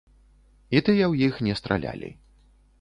І тыя ў іх не стралялі.